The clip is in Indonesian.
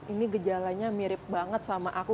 ini gejalanya mirip banget sama aku